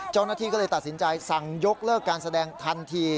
เจ้าหน้าที่ก็เลยตัดสินใจสั่งยกเลิกการแสดงทันที